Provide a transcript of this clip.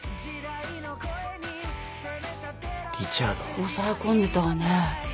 押さえ込んでたわね。